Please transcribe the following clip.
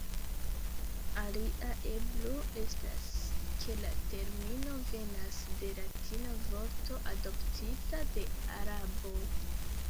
Alia eblo estas ke la termino venas de latina vorto adoptita de araboj.